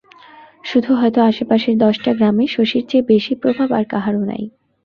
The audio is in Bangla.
শুধু হয়তো আশেপাশে দশটা গ্রামে শশীর চেয়ে বেশি প্রভাব আর কাহারো নাই!